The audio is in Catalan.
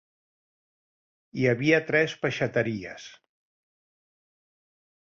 Hi havia tres peixateries.